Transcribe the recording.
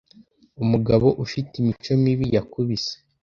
Umugabo ufite imico mibi yakubise